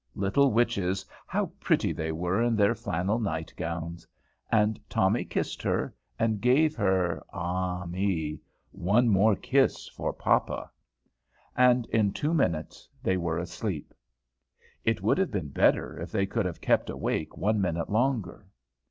Little witches, how pretty they were in their flannel nightgowns! And Tommy kissed her, and gave her ah me! one more kiss for papa. And in two minutes they were asleep. It would have been better if they could have kept awake one minute longer.